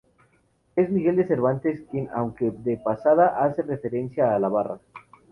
Es Miguel de Cervantes, quien, aunque de pasada, hace referencia a la barra.